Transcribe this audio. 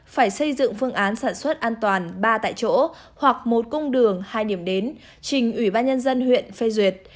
phải xây dựng phương án sản xuất an toàn ba tại chỗ hoặc một cung đường hai điểm đến trình ủy ban nhân dân huyện phê duyệt